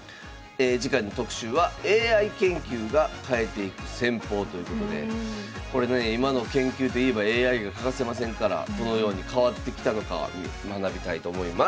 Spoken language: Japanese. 次回の特集は「ＡＩ研究が変えていく戦法」ということで今の研究といえばＡＩが欠かせませんからどのように変わってきたのか学びたいと思います。